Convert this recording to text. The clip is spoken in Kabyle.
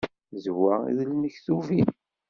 D wa i d lmektub-im.